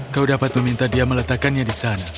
kau dapat meminta dia meletakkannya di sana